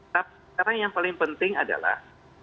tapi sekarang yang paling penting adalah